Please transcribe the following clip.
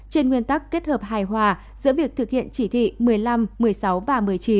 trên nguyên tắc kết hợp hài hòa giữa việc thực hiện chỉ thị một mươi năm một mươi sáu và một mươi chín